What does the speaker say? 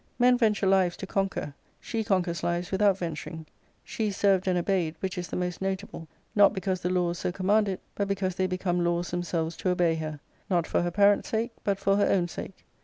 Men venture lives to conquer ; she conquers lives without ven^ taring. She is served and obeyed, which is the most notable, not because the laws so conunand it, but because they be come laws themselves to obey her, notfor her parents' sake, but for her own sake.